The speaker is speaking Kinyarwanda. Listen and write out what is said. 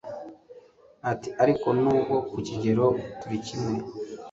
ati ariko n'ubwo ku kigero , turi kimwe